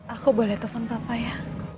aku boleh telepon papa ya